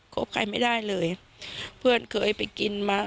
บใครไม่ได้เลยเพื่อนเคยไปกินมา